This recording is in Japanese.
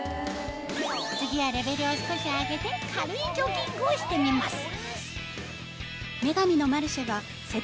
次はレベルを少し上げて軽いジョギングをしてみます